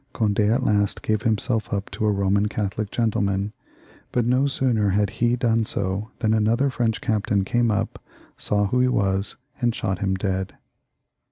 Cond^ at last gave himself up to a Eoman Catholic gentle man^ but no sooner had he done so than another French captain came up, saw who he was, and shot him dead.